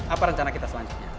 apa rencana kita selanjutnya